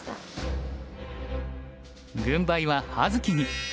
軍配は葉月に。